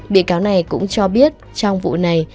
bị cáo này cũng cho biết trong vụ này